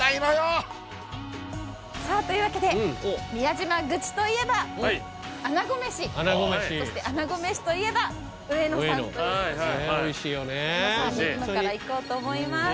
さあというわけで宮島口といえばあなごめしそしてあなごめしといえばうえのさんということでうえのさんに今から行こうと思います